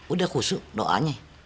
udah khusyuk doanya